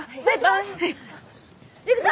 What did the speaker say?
行くぞ！